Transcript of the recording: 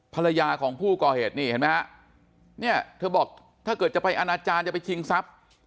ภรรยาของผู้ก่อเหตุเธอบอกถ้าเกิดจะไปอนาจารย์จะไปคิงทรัพย์